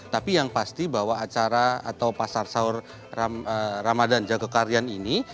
tapi yang pasti bahwa acara atau pasar sahur ramadhan jagakaryan ini